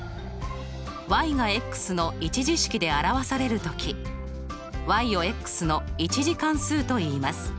がの１次式で表される時をの１次関数といいます。